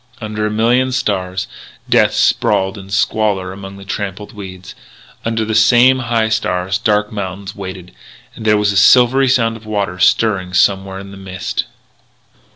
Under a million stars, Death sprawled in squalor among the trampled weeds. Under the same high stars dark mountains waited; and there was a silvery sound of waters stirring somewhere in the mist.